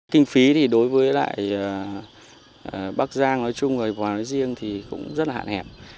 kinh phí thì đối với lại bắc giang nói chung và hoàng nói riêng thì cũng rất là hạn hẹp